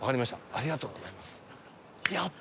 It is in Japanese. ありがとうございます。